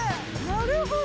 なるほど。